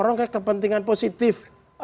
rongga kepentingan positif